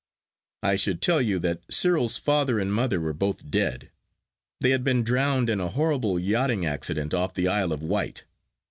I should tell you that Cyril's father and mother were both dead. They had been drowned in a horrible yachting accident off the Isle of Wight.